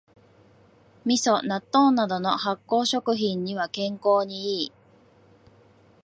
みそ、納豆などの発酵食品は健康にいい